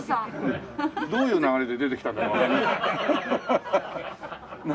どういう流れで出てきたんだかわかんない。